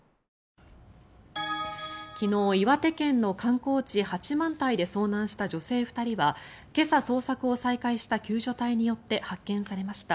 昨日、岩手県の観光地八幡平で遭難した女性２人は今朝、捜索を再開した救助隊によって発見されました。